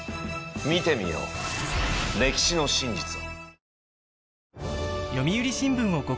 見てみよう歴史の真実を。